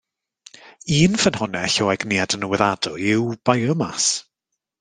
Un ffynhonnell o egni adnewyddadwy yw biomas.